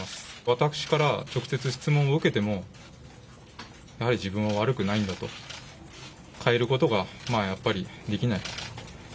私から直接質問を受けても、やはり自分は悪くないんだと、変えることがやっぱりできない。